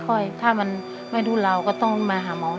คุณยายแดงคะทำไมต้องซื้อลำโพงและเครื่องเสียง